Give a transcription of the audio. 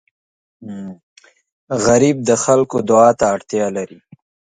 غریب د خلکو دعا ته اړتیا لري